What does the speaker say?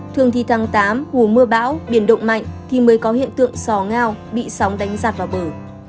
thường thì tháng tám mùa mưa bão biển động mạnh thì mới có hiện tượng sò ngao bị sóng đánh giặt vào bờ